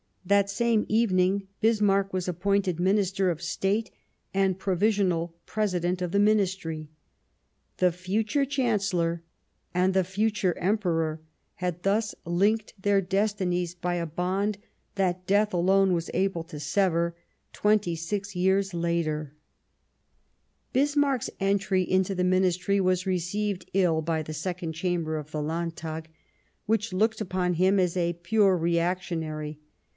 That same evening Bismarck was appointed Minister of State and Provisional President of the Ministry. The future Chancellor and the future Emperor had thus linked their destinies by a bond that death alone was able to sever, twenty six years later. 58 The First Passage of Arms Bismarck's cntr}^ into the Ministry was received ill by the Second Chamber of the Landtag, which looked upon him as a pure reactionary.